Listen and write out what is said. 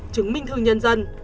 chứng minh thư nhân dân